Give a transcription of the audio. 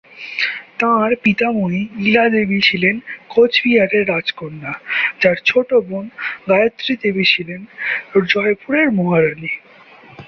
তাঁর পিতামহী, ইলা দেবী ছিলেন কোচবিহারের রাজকন্যা, যার ছোট বোন গায়ত্রী দেবী ছিলেন জয়পুরের মহারাণী।